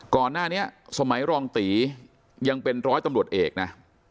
ก่อนหน้านี้สมัยรองตียังเป็นร้อยตำรวจเอกนะ